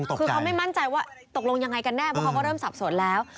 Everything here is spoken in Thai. คือเขาไม่มั่นใจว่าตกลงยังไงกันแน่เพราะเขาก็เริ่มสับสนแล้ว